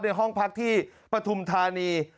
ในห้องพักที่ปฐุมธานี